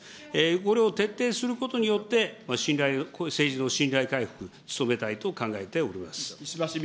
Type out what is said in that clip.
これを徹底することによって、信頼、政治への信頼回復、努めたいと考えております。